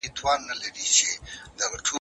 ته لاهو په تنهایی کي